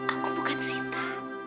aku bukan sita